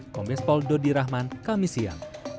kompes poldo dirahman kamisiam